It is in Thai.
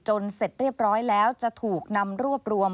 เสร็จเรียบร้อยแล้วจะถูกนำรวบรวม